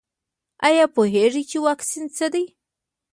ایا پوهیږئ چې واکسین څه دی؟